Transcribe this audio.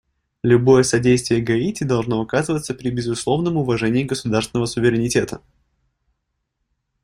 Любое содействие Гаити должно оказываться при безусловном уважении государственного суверенитета.